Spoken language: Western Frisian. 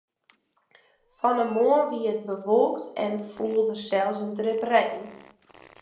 Fan 'e moarn wie it bewolke en foel der sels in drip rein.